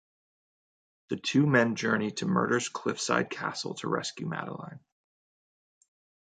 The two men journey to Murder's cliffside castle to rescue Madeleine.